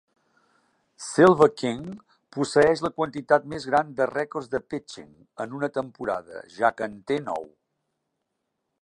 Silver King posseeix la quantitat més gran de rècords de "pitching" en una temporada, ja que té nou.